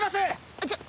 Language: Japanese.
あっちょっ。